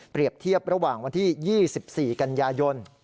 เทียบระหว่างวันที่๒๔กันยายน